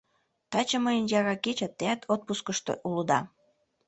Таче мыйын яра кече, теат отпускышто улыда.